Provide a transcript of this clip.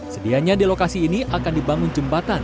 sedianya di lokasi ini akan dibangun jembatan